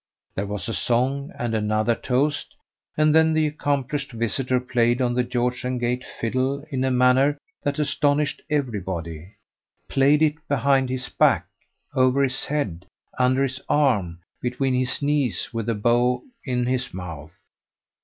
There was a song and another toast, and then the accomplished visitor played on the "George and Gate" fiddle in a manner that astonished everybody played it behind his back, over his head, under his arm, between his knees with the bow in his mouth.